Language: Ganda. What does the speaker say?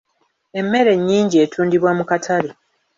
Emmere nnyingi etundibwa mu katale.